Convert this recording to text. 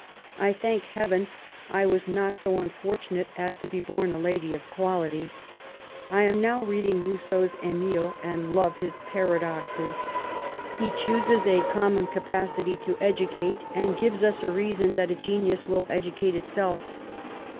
I thank Heaven I was not so unfortunate as to be bom a lady of quality. I am now reading Rousseau's Emile, and love his paradoxes. He chooses a common 62 MABY WOLLSTONECBAFT GODWIN. capacity to educate, and gives as a reason that a genius will educate itself.